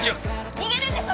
・逃げるんですか？